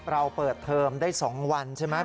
เราเปิดเทอมได้๒วันใช่ไหม